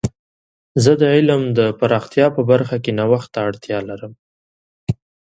زه د علم د پراختیا په برخه کې نوښت ته اړتیا لرم.